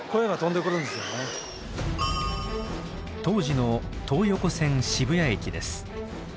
当時の東横線渋谷駅です。